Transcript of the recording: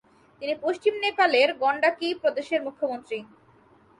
তিনি পশ্চিম নেপালের গণ্ডকী প্রদেশের মুখ্যমন্ত্রী।